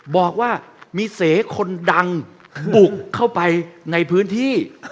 บอกว่ามีเสคนดังบุกเข้าไปในพื้นที่